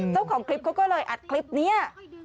เจ้าของคลิปเขาก็เลยอัดคลิปนี้